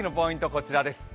こちらです。